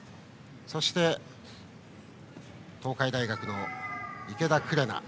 そして、東海大学の池田紅。